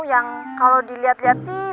yang kalau dilihat lihat sih